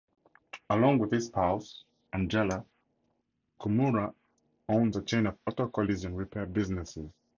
Along with his spouse Angela, Chmura owns a chain of auto collision repair businesses.